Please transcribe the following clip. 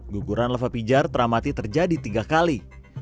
guguran lava pijar teramati terjadi tiga kali